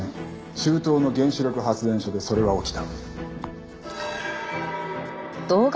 中東の原子力発電所でそれは起きた。